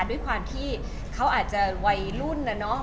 ด้วยความที่เขาอาจจะวัยรุ่นนะเนาะ